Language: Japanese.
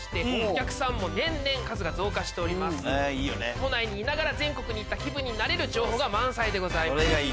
都内にいながら全国に行った気分になれる情報が満載でございます。